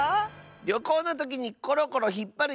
りょこうのときにコロコロひっぱるやつ！